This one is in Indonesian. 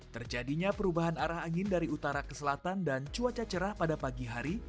terjadinya perubahan arah angin dari utara ke selatan dan cuaca cerah pada pagi hari